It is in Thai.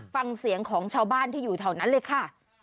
ฟังเสียงของชาวบ้านที่อยู่แถวนั้นเลยค่ะ